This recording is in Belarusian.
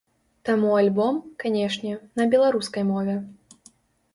Таму альбом, канечне, на беларускай мове.